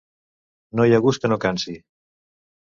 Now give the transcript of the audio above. No hi ha gust que no cansi.